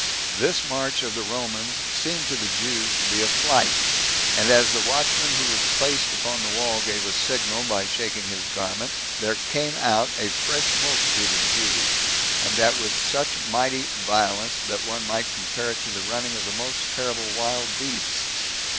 This march of the Romans seemed to the Jews to be a flight; and as the watchman who was placed upon the wall gave a signal by shaking his garment, there came out a fresh multitude of Jews, and that with such mighty violence, that one might compare it to the running of the most terrible wild beasts.